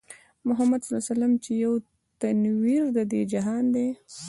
محمدص چې يو تنوير د دې جهان دی